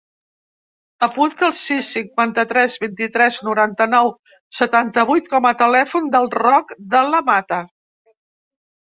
Apunta el sis, cinquanta-tres, vint-i-tres, noranta-nou, setanta-vuit com a telèfon del Roc De La Mata.